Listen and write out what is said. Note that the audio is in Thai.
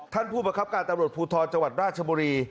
ท่านผู้ประคับการตำรวจภูทรจังหวัดราชบุรี